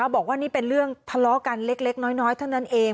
บอกว่านี่เป็นเรื่องทะเลาะกันเล็กน้อยเท่านั้นเอง